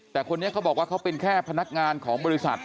แต่คนนี้เขาบอกว่าเขาเป็นแค่พนักงานของบริษัท